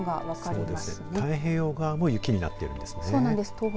太平洋側も雪になっているんですね。